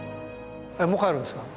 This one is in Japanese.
もう帰るんですか？